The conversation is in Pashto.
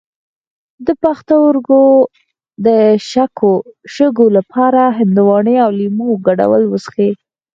د پښتورګو د شګو لپاره د هندواڼې او لیمو ګډول وڅښئ